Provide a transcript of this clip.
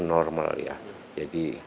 normal ya jadi